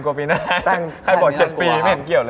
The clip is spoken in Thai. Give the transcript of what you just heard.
ใครบอก๗ปีไม่เห็นเกี่ยวเลย